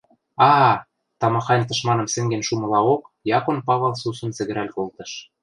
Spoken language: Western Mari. – А-а! – тамахань тышманым сӹнген шумылаок Якон Павыл сусун сӹгӹрӓл колтыш.